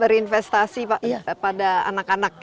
berinvestasi pada anak anak